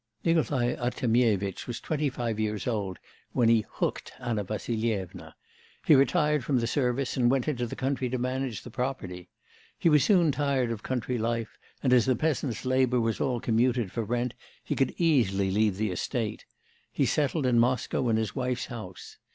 Nikolai Artemyevitch was twenty five years old when he 'hooked' Anna Vassilyevna; he retired from the service and went into the country to manage the property. He was soon tired of country life, and as the peasants' labour was all commuted for rent he could easily leave the estate; he settled in Moscow in his wife's house.